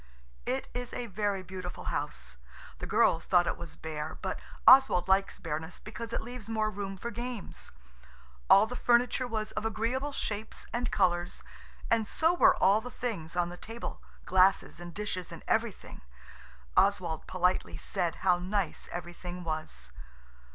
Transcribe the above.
It is a very beautiful house. The girls thought it was bare but Oswald likes bareness because it leaves more room for games. All the furniture was of agreeable shapes and colours, and so were all the things on the table–glasses and dishes and everything. Oswald politely said how nice everything was.